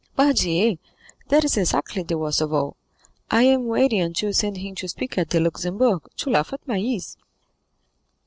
"Pardieu, that is exactly the worst of all. I am waiting until you send him to speak at the Luxembourg, to laugh at my ease."